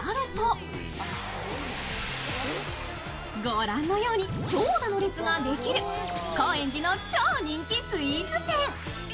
御覧のように長蛇の列ができる高円寺の超人気スイーツ店。